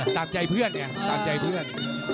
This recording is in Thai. ตามใจเพื่อนไงตามใจเพื่อน